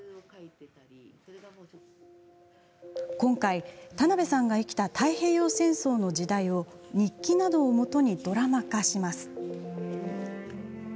今回、田辺さんが生きた太平洋戦争の時代を日記などを基にドラマ化します。